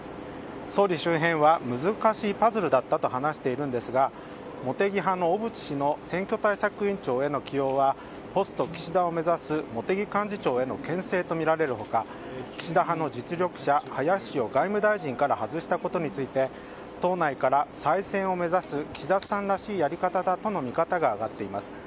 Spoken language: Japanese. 総理周辺は難しいパズルだったと話しているんですが茂木派の小渕氏の選挙対策委員長への起用は、ポスト岸田を目指す茂木幹事長への牽制とみられる他岸田派の実力者・林氏を外務大臣から外したことについて党内から、再選を目指す岸田さんらしいやり方だとの見方が上がっています。